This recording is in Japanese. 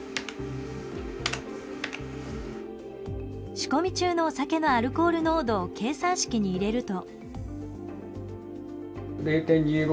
仕込み中のお酒のアルコール濃度を計算式に入れると。